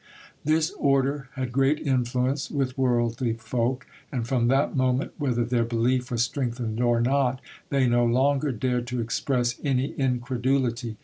This order had great influence with worldly folk, and from that moment, whether their belief was strengthened or not, they no longer dared to express any incredulity.